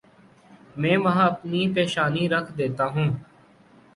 میں وہاں اپنی پیشانی رکھ دیتا ہوں۔